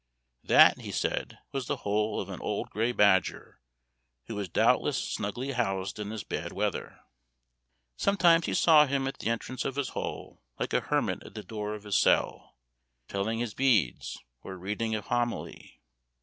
That, he said, was the hole of an old gray badger, who was doubtless snugly housed in this bad weather. Sometimes he saw him at the entrance of his hole, like a hermit at the door of his cell, telling his beads, or reading a homily.